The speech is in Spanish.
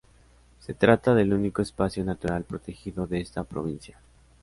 Se trata del único espacio natural protegido de esta provincia.